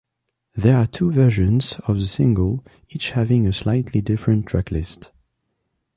There are two versions of the single, each having a slightly different track list.